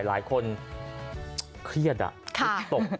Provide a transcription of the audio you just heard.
หลายคนเครียดอ่ะจิตตก